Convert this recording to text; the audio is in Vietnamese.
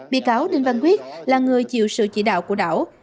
bị cáo đinh văn quyết là người chịu sự chỉ đạo của đảo